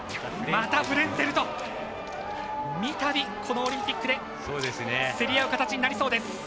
またフレンツェルと三度、このオリンピックで競り合う形になりそうです。